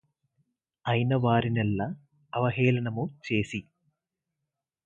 ఐనవారినెల్ల అవహేళనము చేసి